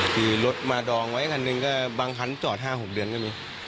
คือรถมาดองไว้คันหนึ่งก็บางคันจอด๕๖เดือนก็มี